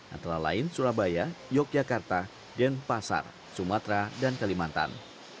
antara lain surabaya yogyakarta denpasar sumatera dan kalimantan